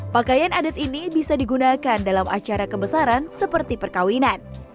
pakaian adat ini bisa digunakan dalam acara kebesaran seperti perkawinan